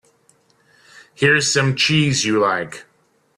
Here's some cheese you like.